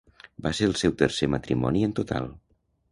Va ser el seu tercer matrimoni en total.